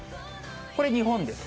これ、日本です。